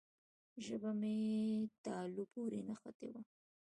ژبه مې تالو پورې نښتې وه.